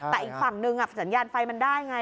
แต่อีกฝั่งนึงสัญญาณไฟมันได้ไง